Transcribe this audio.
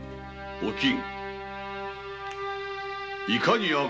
おきん。